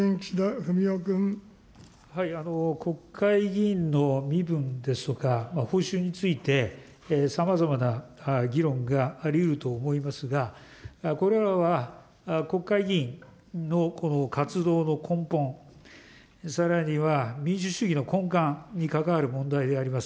国会議員の身分ですとか、報酬について、さまざまな議論がありうると思いますが、これらは、国会議員の活動の根本、さらには民主主義の根幹に関わる問題であります。